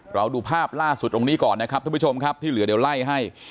เราดูภาพล่าสุดตรงนี้ก่อนนะครับท่านผู้ชมครับที่เหลือเดี๋ยวไล่ให้